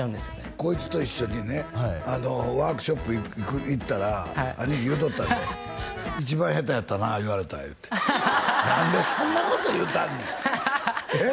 こいつと一緒にねワークショップ行ったら兄貴言うとったで一番下手やったな言われたいうて何でそんなこと言うたんねんえっ